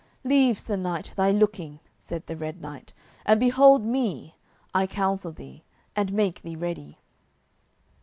"Leave, Sir Knight, thy looking," said the Red Knight, "and behold me, I counsel thee, and make thee ready."